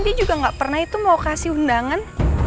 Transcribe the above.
dia juga gak pernah itu mau kasih undangan